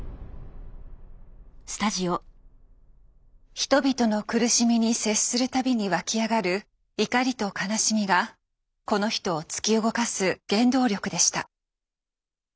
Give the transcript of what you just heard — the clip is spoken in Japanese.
人々の苦しみに接する度に湧き上がる怒りと悲しみがこの人を突き動かす原動力でした。